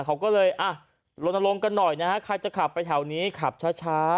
เขาก็เลยอ่ะลนลงกันหน่อยนะฮะใครจะขับไปแถวนี้ขับช้า